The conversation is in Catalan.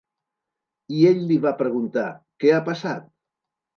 I ell li va preguntar: ‘Què ha passat?’